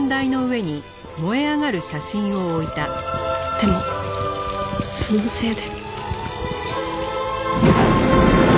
でもそのせいで。